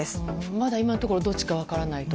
まだ今のところどっちか分からないと。